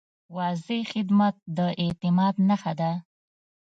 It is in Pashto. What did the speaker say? واضح خدمت د اعتماد نښه ده.